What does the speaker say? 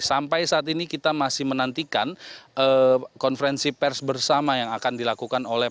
sampai saat ini kita masih menantikan konferensi pers bersama yang akan dilakukan oleh